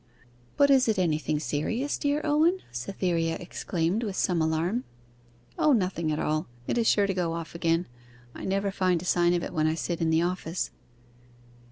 'But is it anything serious, dear Owen?' Cytherea exclaimed, with some alarm. 'O, nothing at all. It is sure to go off again. I never find a sign of it when I sit in the office.